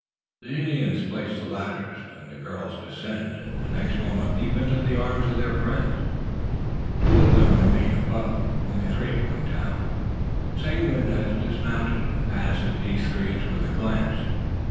The Indians place the ladders. The girls descend, and the next moment leap into the arms of their friends. Two of them remain above; only three have come down. Seguin has dismounted, and passes these three with a glance.